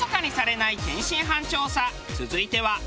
続いては。